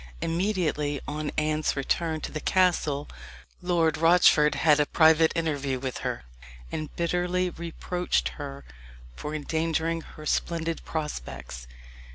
Immediately on Anne's return to the castle Lord Rochford had a private interview with her, and bitterly reproached her for endangering her splendid prospects.